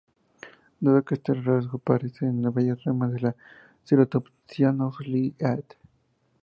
Dado que este rasgo aparece en varias ramas de ceratopsianos, Lee "et al.